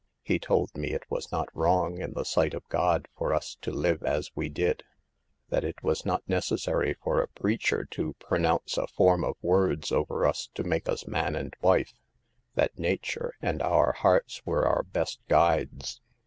He told me it was not wrong in the sight of God for us to live as we did ; that it was not necessary for a preacher to pronounce a form of words over us to make us man and wife ; that nature and our hearts were our best guides.